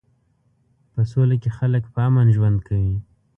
په سوله کې خلک په امن ژوند کوي.